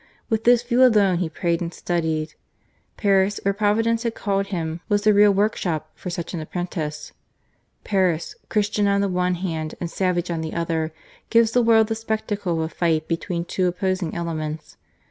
With this view alone he prayed and studied. Paris, where Providence had called him, was the real workshop for such an apprentice. Paris, Christian on the one hand and savage on the other, gives the world the spectacle of a fight between two opposing elements.